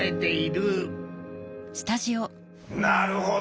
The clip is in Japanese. なるほど。